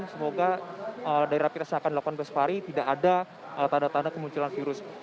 semoga dari rapid test yang akan dilakukan besok hari tidak ada tanda tanda kemunculan virus